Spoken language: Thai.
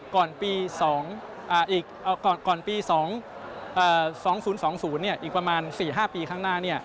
ก่อนปี๒๐๒๐เนี่ยอีกประมาณ๔๕ปีข้างหน้า